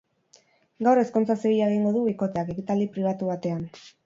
Gaur, ezkontza zibila egingo du bikoteak, ekitaldi pribatu batean.